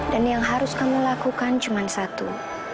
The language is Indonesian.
dan yang harus kamu lakukan cuma satu